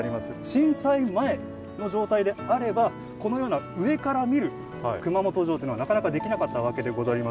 震災前の状態であればこのような上から見る熊本城っていうのはなかなかできなかったわけでござりまするからのう